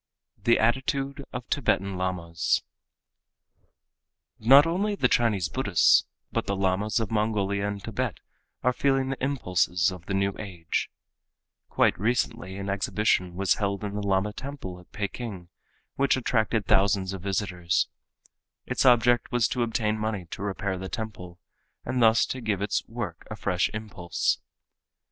4. The Attitude of Tibetan Lamas Not only the Chinese Buddhists, but the Lamas of Mongolia and Tibet are feeling the impulses of the new age. Quite recently an exhibition was held in the Lama temple at Peking which attracted thousands of visitors. Its object was to obtain money to repair the temple, and thus to give its work a fresh impulse.